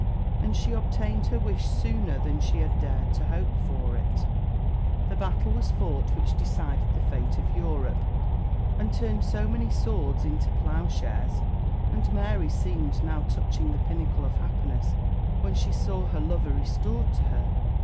And she obtained her wish sooner than she had dared to hope for it. That battle was fought which decided the fate of Europe, and turned so many swords into ploughshares; and Mary seemed now touching the pinnacle of happiness when she saw her lover restored to her.